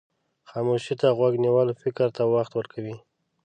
خاموشي ته غوږ نیول فکر ته وخت ورکوي.